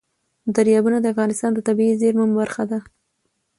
دریابونه د افغانستان د طبیعي زیرمو برخه ده.